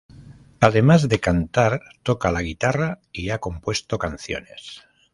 Además de cantar, toca la guitarra y ha compuesto canciones.